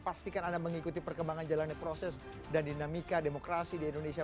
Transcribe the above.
pastikan anda mengikuti perkembangan jalannya proses dan dinamika demokrasi di indonesia